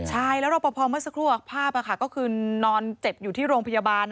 ใช่แล้วรอปภเมื่อสักครู่ภาพก็คือนอนเจ็บอยู่ที่โรงพยาบาล